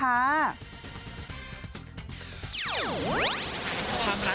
ความรักหน่อยครับพี่แบงค์